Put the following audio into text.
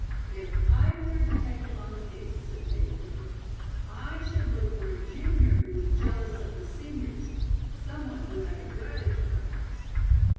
"If I were a detective on the case," said Mabel Hinton, "I should look for a junior who was jealous of the seniors. Some one who had a grudge, perhaps."